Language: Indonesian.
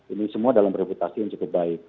ini semua dalam reputasi yang cukup baik